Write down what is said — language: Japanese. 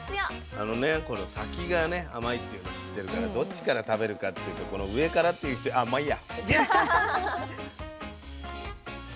あのねこの先がね甘いっていうの知ってるからどっちから食べるかっていうとこの上からっていう人あっまあいいや。